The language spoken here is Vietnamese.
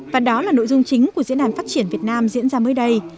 và đó là nội dung chính của diễn đàn phát triển việt nam diễn ra mới đây